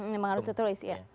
memang harus tertulis iya